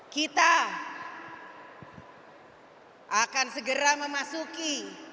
kita akan segera memasuki